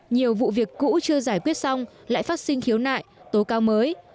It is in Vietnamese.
nhiều vụ việc cũ chưa giải quyết xong lại phát sinh khiếu nại tố cao mới